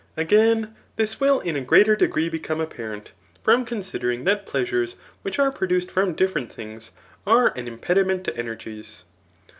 Again, this will in a greater degree become apparent, from considering that pleasures which are produced from different things are an impedi ment to energies.